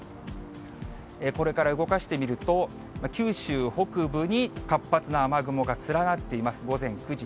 これから動かしてみると、九州北部に活発な雨雲が連なっています、午前９時。